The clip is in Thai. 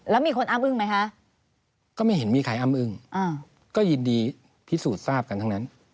แล้วมีคนอ้ำอึ้งไหมคะก็ไม่เห็นมีใครอ้ำอึ้งก็ยินดีพิสูจน์ทราบกันทั้งนั้น